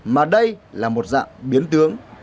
mà đây là một dạng biến tướng